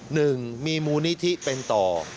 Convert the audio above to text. หนึ่งมีมูลนิธิเป็นต่อ